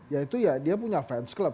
yaitu ya dia punya fans club